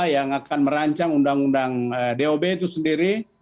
yang akan merancang undang undang dob itu sendiri